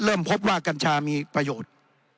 พบว่ากัญชามีประโยชน์